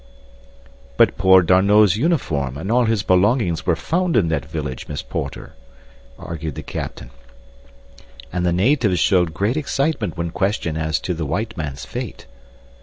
"But poor D'Arnot's uniform and all his belongings were found in that village, Miss Porter," argued the captain, "and the natives showed great excitement when questioned as to the white man's fate."